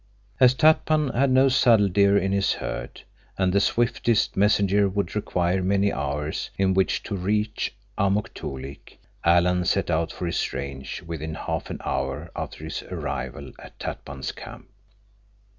As Tatpan had no saddle deer in his herd, and the swiftest messenger would require many hours in which to reach Amuk Toolik, Alan set out for his range within half an hour after his arrival at Tatpan's camp.